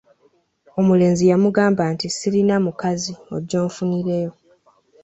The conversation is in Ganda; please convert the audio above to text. Omulenzi yamugamba nti, “sirina mukazi, ojje onfunireyo”.